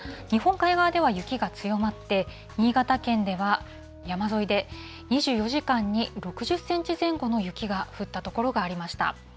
日本海側では雪が強まって、新潟県では山沿いで２４時間に６０センチ前後の雪が降った所がありました。